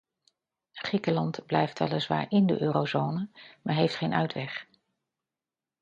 Griekenland blijft weliswaar in de eurozone, maar heeft geen uitweg.